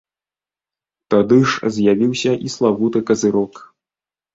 Тады ж з'явіўся і славуты казырок.